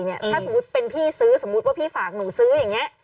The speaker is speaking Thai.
ถ้าสมมุติเป็นพี่ซื้อสมมุติว่าพี่ฝากหนูซื้ออย่างนี้